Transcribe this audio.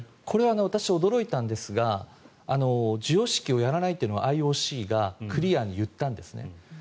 これは私、驚いたんですが授与式はやらないというのはＩＯＣがクリアに言ったんですね。